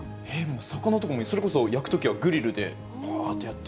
魚とかも、それこそ焼くときはグリルでばーっとやって。